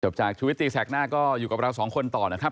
จากชุวิตตีแสกหน้าก็อยู่กับเราสองคนต่อนะครับ